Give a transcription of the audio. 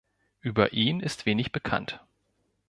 Über ihn ist wenig bekannt.